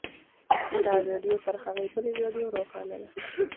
دا ویډیو تر هغې بلې ویډیو روښانه ده.